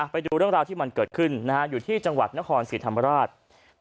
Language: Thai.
ไปดูเรื่องราวที่มันเกิดขึ้นอยู่ที่จังหวัดนครศรีธรรมราช